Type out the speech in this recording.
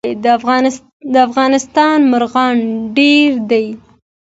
د افغانستان مرغان ډیر دي